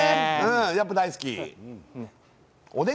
やっぱり大好き。